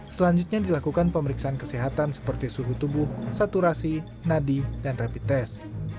selanjutnya dilakukan pemeriksaan kesehatan seperti suhu tubuh saturasi nadi dan rapid test